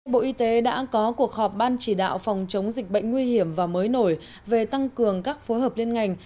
bộ y tế đã có cuộc họp ban chỉ đạo phòng chống dịch bệnh nguy hiểm và mới nổi về tăng cường các phối hợp liên ngành